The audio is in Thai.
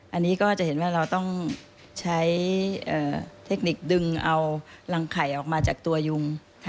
อันนี้ก็จะเห็นว่าเราต้องใช้เทคนิคดึงเอารังไข่ออกมาจากตัวยุง